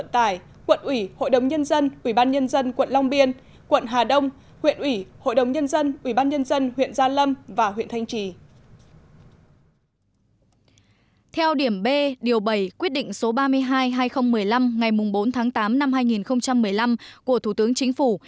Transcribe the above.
theo điểm b điều bảy quyết định số ba mươi hai hai nghìn một mươi năm ngày bốn tháng tám năm hai nghìn một mươi năm của thủ tướng chính phủ